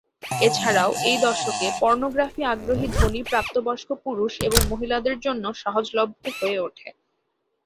এছাড়াও এই দশকে, পর্নোগ্রাফি আগ্রহী ধনী প্রাপ্তবয়স্ক পুরুষ এবং মহিলাদের জন্য সহজলভ্য হয়ে ওঠে।